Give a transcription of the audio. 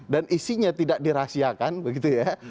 isinya tidak dirahasiakan begitu ya